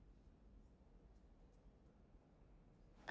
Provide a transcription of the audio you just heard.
あ。